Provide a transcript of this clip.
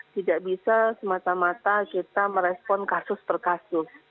tidak bisa semata mata kita merespon kasus tertentu